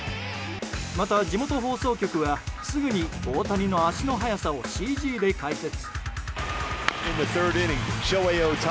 また、地元放送局はすぐに大谷の足の速さをＣＧで解説。